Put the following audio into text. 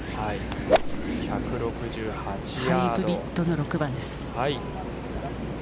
ハイブリッドの６番です。